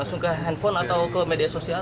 langsung ke handphone atau ke media sosial